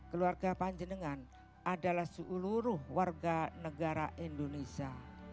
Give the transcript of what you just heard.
keluarga panjenengan adalah seluruh warga negara indonesia